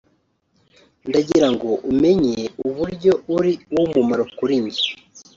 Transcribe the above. ndagira ngo umenye uburyo uri uw'umumaro kuri njye